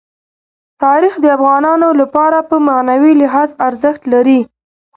تاریخ د افغانانو لپاره په معنوي لحاظ ارزښت لري.